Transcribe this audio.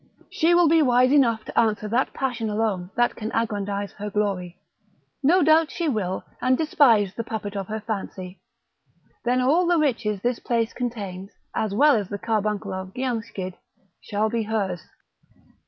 she will be wise enough to answer that passion alone that can aggrandise her glory; no doubt she will, and despise the puppet of her fancy. Then all the riches this place contains, as well as the carbuncle of Giamschid, shall be hers."